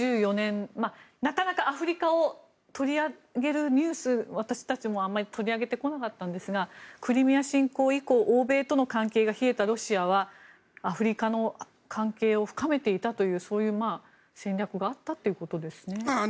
なかなかアフリカを取り上げるニュース私たちもあまり取り上げてこなかったんですがクリミア侵攻以降欧米との関係が冷えたロシアはアフリカの関係を深めていたというそういう戦略があったということですね。